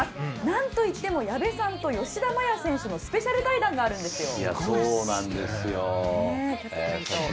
なんと言っても矢部さんと吉田麻也選手のスペシャル対談があるんですよ。